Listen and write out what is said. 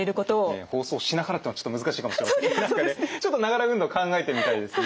放送しながらっていうのはちょっと難しいかもしれませんけど何かねながら運動考えてみたいですね。